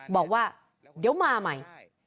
บอกว่าเดี๋ยวมาใหม่